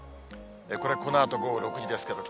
これこのあと午後６時ですけど、